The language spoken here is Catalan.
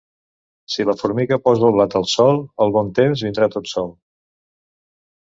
Si la formiga posa el blat al sol, el bon temps vindrà tot sol.